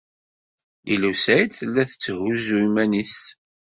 Lila u Saɛid tella tetthuzzu iman-nnes.